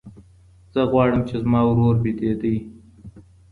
زه غواړم چي زما ورور بېدېدی.